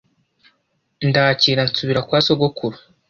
Ndakira nsubira kwa sogokuru